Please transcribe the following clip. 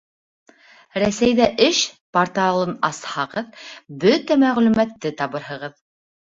«Рәсәйҙә эш» порталын асһағыҙ, бөтә мәғлүмәтте табырһығыҙ.